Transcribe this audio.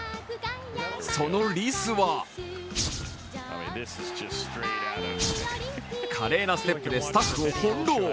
そのリスは華麗なステップでスタッフをほんろう。